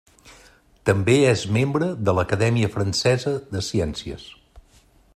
També és membre de l'Acadèmia Francesa de Ciències.